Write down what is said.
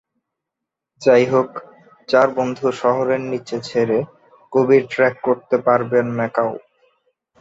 যাইহোক, চার বন্ধু শহরের নিচে ছেড়ে কবির ট্র্যাক করতে পারবেন ম্যাকাও।